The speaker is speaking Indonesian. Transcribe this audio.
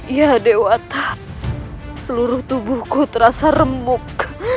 ya dewata seluruh tubuhku terasa remuk